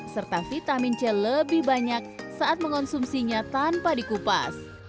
serta vitamin c lebih banyak saat mengonsumsinya tanpa dikupas